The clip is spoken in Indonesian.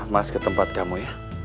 mas ke tempat kamu ya